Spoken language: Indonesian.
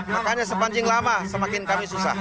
makanya sepanjang lama semakin kami susah